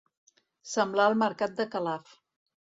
Semblar el mercat de Calaf.